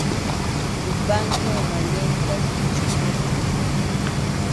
Yupanki umalliqta qichupurqan.